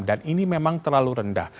dan ini memang terlalu rendah